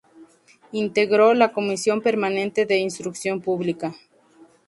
Integró la Comisión permanente de Instrucción Pública.